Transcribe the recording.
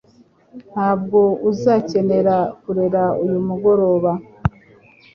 Ntabwo uzakenera kurera uyu mugoroba